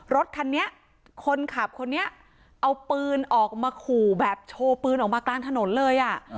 รถคันนี้คนขับคนนี้เอาปืนออกมาขู่แบบโชว์ปืนออกมากลางถนนเลยอ่ะ